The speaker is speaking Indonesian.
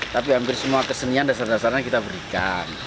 tapi hampir semua kesenian dasar dasarnya kita berikan